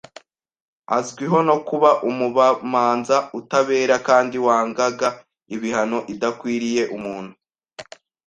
Azwiho no kuba umubamanza utabera kandi wangaga ibihano idakwiriye umuntu